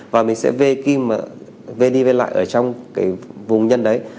và mình sẽ vê kim vê đi vê lại ở trong cái vùng nhân đấy